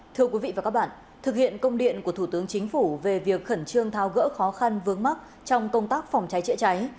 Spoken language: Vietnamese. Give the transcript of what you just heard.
thưa quý vị và các bạn thực hiện công điện của thủ tướng chính phủ về việc khẩn trương tháo gỡ khó khăn vướng mắt trong công tác phòng cháy chữa cháy